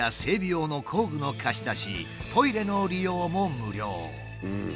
用の工具の貸し出しトイレの利用も無料。